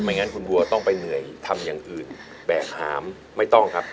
งั้นคุณบัวต้องไปเหนื่อยทำอย่างอื่นแบกหามไม่ต้องครับ